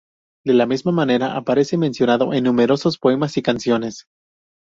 De la misma manera aparece mencionado en numerosos poemas y canciones.